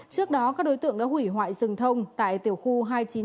trước đó các đối tượng đã hủy hoại rừng thông tại tiểu khu hai trăm chín mươi hai